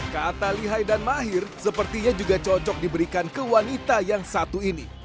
kata lihai dan mahir sepertinya juga cocok diberikan ke wanita yang satu ini